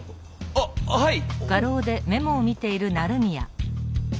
あっはい。